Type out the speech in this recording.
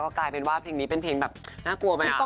กลายเป็นว่าเพลงนี้เป็นเพลงแบบน่ากลัวไหม